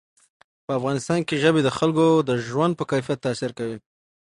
په افغانستان کې ژبې د خلکو د ژوند په کیفیت تاثیر کوي.